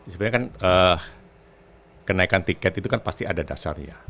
sebenarnya kan kenaikan tiket itu kan pasti ada dasarnya